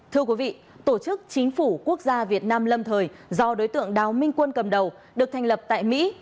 thưa quý vị tổ chức chính phủ quốc gia việt nam lâm thời do đối tượng đào minh quân cầm đầu được thành lập tại mỹ